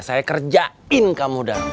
saya kerjain kamu dang